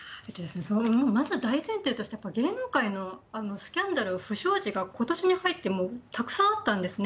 まず大前提として、芸能界のスキャンダル、不祥事がことしに入ってたくさんあったんですね。